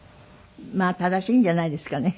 まあ正しいんじゃないですかね。